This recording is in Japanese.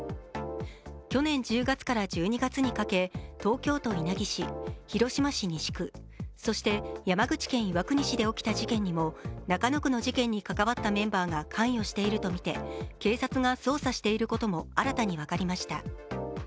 去年１０月から１２月にかけ東京都稲城市、広島市西区そして山口県岩国市で起きた事件にも中野区の事件に関わったメンバーが関与しているとみて警察が捜査していることも新たに分かりました。